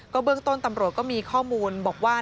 เบื้องต้นตำรวจก็มีข้อมูลบอกว่า